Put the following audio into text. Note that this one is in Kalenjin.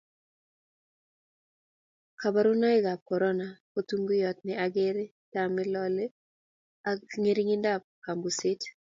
kaborunoikab korono ko tunguyot ne ang'er , tame,, lole, ang'erindo eng' kambuset